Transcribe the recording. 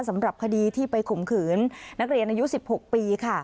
สำหรับคดีที่ไปข่มขืนนักเรียนอายุ๑๖ปีค่ะ